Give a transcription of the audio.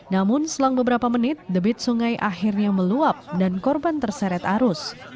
namun selang beberapa menit debit sungai akhirnya meluap dan korban terseret arus